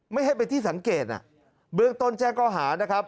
ไม่ให้เป็นที่สังเกตเบื้องต้นแจ้งก็หานะครับ